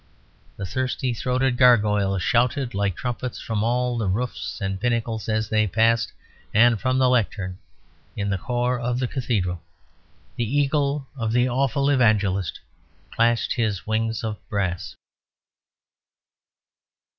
The thirsty throated gargoyles shouted like trumpets from all the roofs and pinnacles as they passed; and from the lectern in the core of the cathedral the eagle of the awful evangelist clashed his wings of brass.